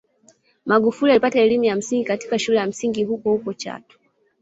Magufuli alipata elimu ya msingi katika shule ya msingi hukohuko Chato